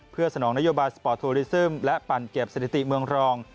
เพื่อสนองนโยบายสปอร์ตโทรลิซึมและปั่นเก็บสถิติเมืองรอง